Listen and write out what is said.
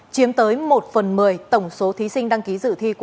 chiếm tới một phần một mươi tổng số thí sinh đăng ký dự thi